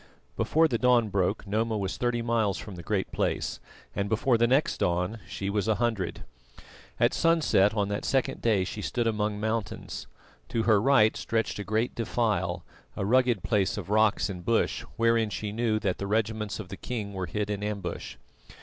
Before the dawn broke Noma was thirty miles from the Great Place, and before the next dawn she was a hundred. At sunset on that second day she stood among mountains. To her right stretched a great defile, a rugged place of rocks and bush, wherein she knew that the regiments of the king were hid in ambush.